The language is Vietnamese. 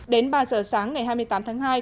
đến ba giờ sáng ngày hai mươi tám tháng hai